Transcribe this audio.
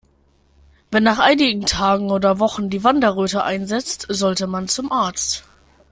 Wenn nach einigen Tagen oder Wochen die Wanderröte einsetzt, sollte man zum Arzt.